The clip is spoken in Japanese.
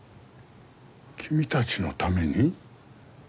君たちのために？